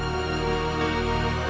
nathan itu kenapa sih sebenarnya